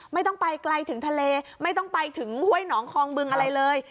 ไม่ต้องไปไกลถึงทะเลไม่ต้องไปถึงห้วยหนองคองบึงอะไรเลย